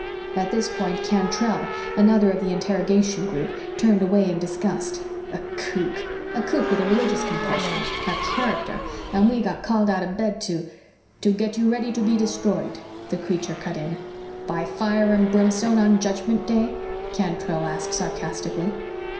At this point, Cantrell, another of the interrogation group, turned away in disgust. "A kook! A kook with a religious compulsion. A character, and we got called out of bed to "" to get you ready to be destroyed," the creature cut in. "By fire and brimstone on judgment day?" Cantrell asked sarcastically.